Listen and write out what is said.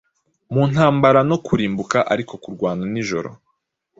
Mu ntambara no kurimbuka ariko kurwana nijoro